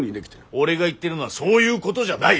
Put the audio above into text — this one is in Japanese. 俺が言っているのはそういうことじゃない！